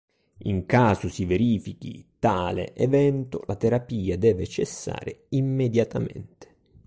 In caso si verifichi tale evento la terapia deve cessare immediatamente.